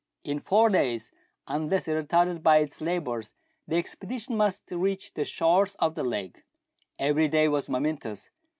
In four days, unless retarded by its labours, the expedition must reach the shores of the lake. Every day was momentous.